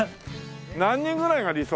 何人ぐらいが理想？